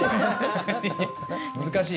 難しい？